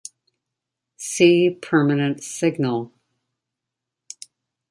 See permanent signal.